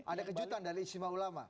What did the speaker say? ada kejutan dari istimewa ulama